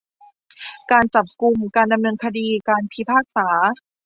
การจับกุม การดำเนินคดี การพิพากษา